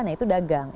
nah itu dagang